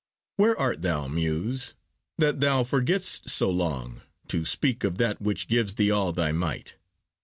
Where art thou, Muse, that thou forget'st so long To speak of that which gives thee all thy might?